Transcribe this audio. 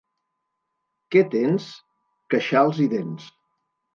Què tens? —Queixals i dents!